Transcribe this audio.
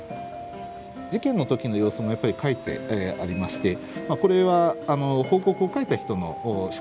事件の時の様子もやっぱり書いてありましてこれは報告を書いた人の主観で書いてあるんですけれども。